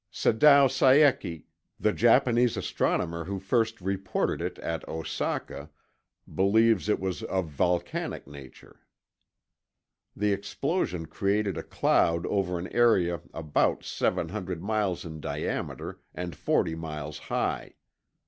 Sadao Saeki, the Japanese astronomer who first reported it at Osaka, believes it was of volcanic nature. The explosion created a cloud over an area about seven hundred miles in diameter and forty miles high.